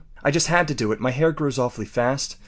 I just had to do it. My hair grows awfully fast.